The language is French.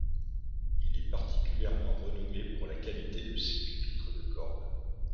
Il est particulièrement renommé pour la qualité de ses pupitres de cordes.